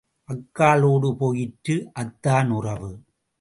அக்காளோடு போயிற்று, அத்தான் உறவு.